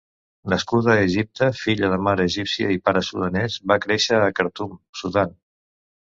Nascuda a Egipte, filla de mare egípcia i pare sudanès, va créixer a Khartum, Sudan.